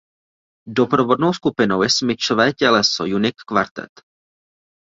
Doprovodnou skupinou je smyčcové těleso Unique Quartet.